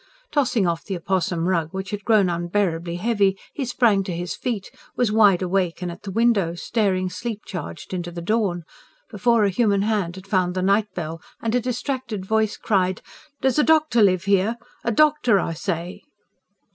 Tossing off the opossum rug, which had grown unbearably heavy, he sprang to his feet; was wide awake and at the window, staring sleep charged into the dawn, before a human hand had found the night bell and a distracted voice cried: "Does a doctor live here? A doctor, I say